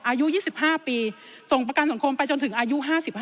อายุ๒๕ปีส่งประกันสังคมไปจนถึงอายุ๕๕